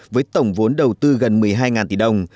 với tổng vốn đầu tư gần một mươi hai tỷ đồng